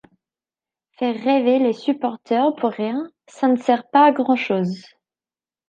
Faire rêver les supporters pour rien, ça ne sert pas à grand-chose.